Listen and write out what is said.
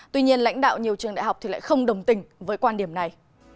tuy nhiên lãnh đạo nhiều trường đại học lại không đồng tình với quan điểm này